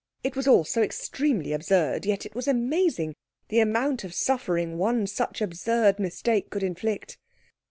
It was all so extremely absurd; yet it was amazing the amount of suffering one such absurd mistake could inflict.